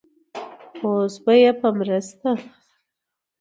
اوس به يې په مرسته